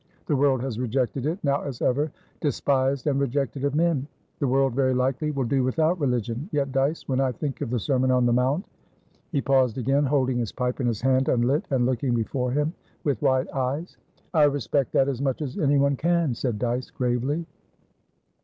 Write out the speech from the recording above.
The world has rejected it. Now as ever, 'despised and rejected of men.' The world, very likely, will do without religion. Yet, Dyce, when I think of the Sermon on the Mount" He paused again, holding his pipe in his hand, unlit, and looking before him with wide eyes. "I respect that as much as anyone can," said Dyce, gravely.